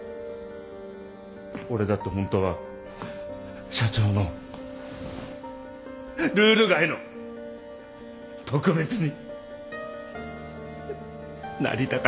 俺だって本当は社長のルール外の特別になりたかった。